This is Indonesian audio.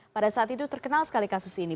pada saat itu terkenal sekali kasus ini